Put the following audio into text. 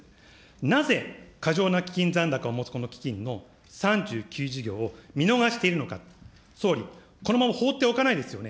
なぜ過剰な基金残高を持つこの基金の３９事業を見逃しているのか、総理、このまま放っておかないですよね。